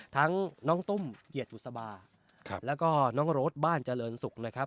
ทั้งน้องตุ้มเกียรติบุษบาแล้วก็น้องโรดบ้านเจริญศุกร์นะครับ